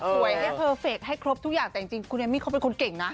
ให้เพอร์เฟคให้ครบทุกอย่างแต่จริงคุณเอมมี่เขาเป็นคนเก่งนะ